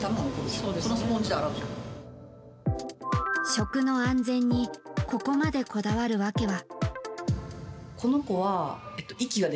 食の安全にここまでこだわる訳は。